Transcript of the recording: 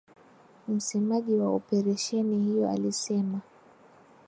Msemaji wa operesheni hiyo alisema.